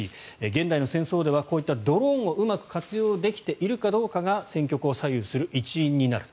現代の戦争ではこういったドローンをうまく活用できているかどうかが戦局を左右する一因になる。